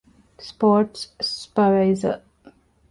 ސްޕޯޓްސް ސްޕަރވައިޒަރ